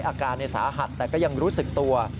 อาการสาหัสแต่ก็ยังรู้สึกตัว